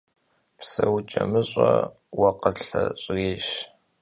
Pseuç'emış'e – vuekhule ş'rêyş.